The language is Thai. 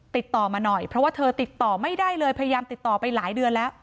ติดต่อมาหน่อยเพราะว่าเธอติดต่อไม่ได้เลยพยายามติดต่อไปหลายเดือนแล้ว